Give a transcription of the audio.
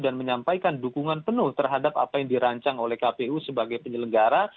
dan menyampaikan dukungan penuh terhadap apa yang dirancang oleh kpu sebagai penyelenggara